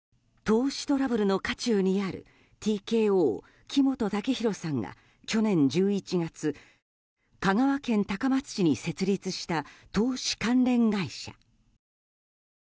投資トラブルの渦中にあるＴＫＯ木本武宏さんが去年１１月、香川県高松市に設立した投資関連会社。